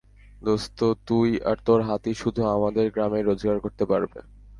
দোস্ত, তুই আর তোর হাতি শুধু আমাদের গ্রামেই রোজগার করতে পারবে?